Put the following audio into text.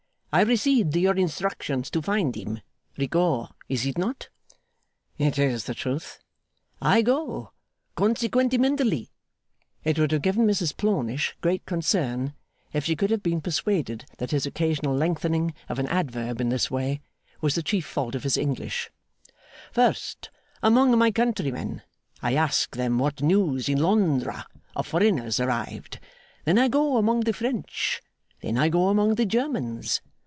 I received your instructions to find him, Rigaud; is it not?' 'It is the truth.' 'I go, consequentementally,' it would have given Mrs Plornish great concern if she could have been persuaded that his occasional lengthening of an adverb in this way, was the chief fault of his English, 'first among my countrymen. I ask them what news in Londra, of foreigners arrived. Then I go among the French. Then I go among the Germans.